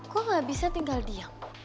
kok gak bisa tinggal diam